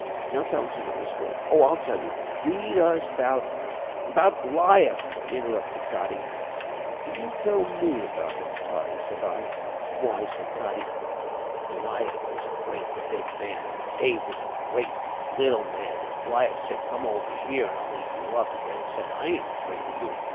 Now tell us another story oh, I'll tell you read us 'bout " "'Bout Bliaff," interrupted Toddie. "You tell me about him, Toddie," said I. "Why," said Toddie, "Bliaff was a brate bid man, an' Dave was brate little man, an' Bliaff said, 'Come over here'n an' I'll eat you up,' an' Dave said, 'I ain't fyaid of you.'